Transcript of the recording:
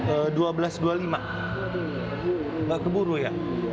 enggak keburu ya